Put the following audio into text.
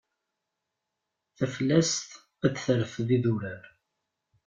Taflest ad d-terfed idurar.